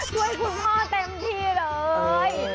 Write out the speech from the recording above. ช่วยคุณพ่อเต็มที่เลย